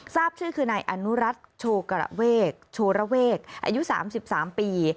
ทราบชื่อคือนายอนุรัติโชกระเวกโชระเวกอายุ๓๓ปี